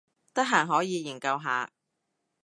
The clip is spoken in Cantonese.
得閒可以研究下